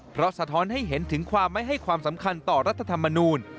เพราะสะท้อนให้เห็นถึงความไม่ให้ความสำคัญต่อรัฐธรรมนูล